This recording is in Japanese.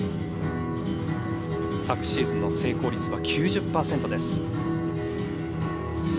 昨シーズンの成功率は９０パーセントです。